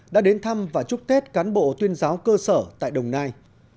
đã đến thăm và chúc tết cán bộ tuyên giáo cơ sở tại đồng nai